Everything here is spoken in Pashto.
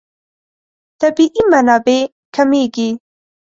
طبیعي منابع کمېږي.